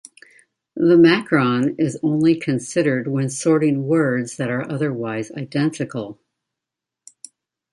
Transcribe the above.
The macron is only considered when sorting words that are otherwise identical.